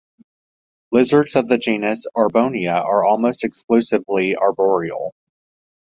Lizards of the genus "Abronia" are almost exclusively arboreal.